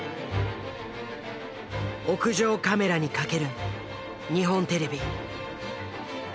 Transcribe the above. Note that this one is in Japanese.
屋上カメラに懸ける日本テレビ。